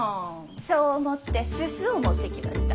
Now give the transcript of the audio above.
そう思ってすすを持ってきました。